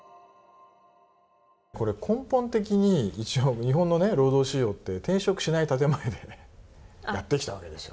これ根本的に一応、日本の労働市場って転職しない建て前でやってきたわけですよ。